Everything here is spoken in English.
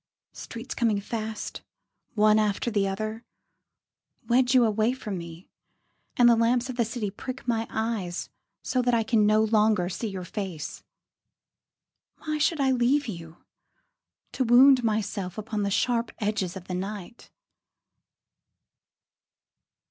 Streets coming fast, One after the other, Wedge you away from me, And the lamps of the city prick my eyes So that I can no longer see your face. Why should I leave you, To wound myself upon the sharp edges of the night?